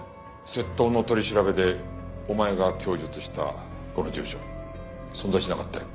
窃盗の取り調べでお前が供述したこの住所存在しなかったよ。